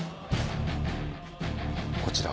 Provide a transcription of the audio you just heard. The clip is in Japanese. こちらを。